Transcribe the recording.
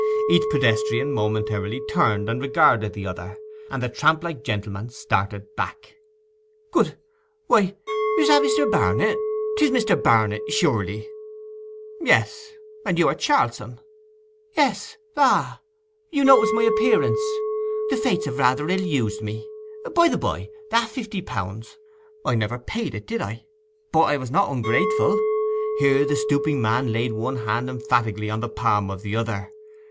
Each pedestrian momentarily turned and regarded the other, and the tramp like gentleman started back. 'Good—why—is that Mr. Barnet? 'Tis Mr. Barnet, surely!' 'Yes; and you are Charlson?' 'Yes—ah—you notice my appearance. The Fates have rather ill used me. By the bye, that fifty pounds. I never paid it, did I? ... But I was not ungrateful!' Here the stooping man laid one hand emphatically on the palm of the other.